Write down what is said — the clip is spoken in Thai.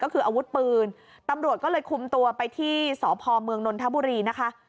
ก็คืออาวุธปืนตำรวจก็เลยคุมตัวไปที่สพเมืองนนทบุรีนะคะ